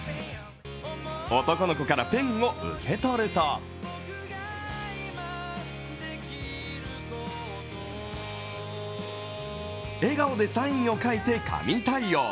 男の子からペンを受け取ると笑顔でサインを書いて神対応。